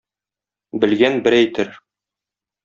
Белгән бер әйтер.